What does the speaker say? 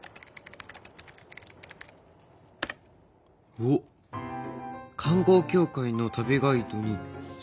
おっ観光協会の旅ガイドに新聞記事。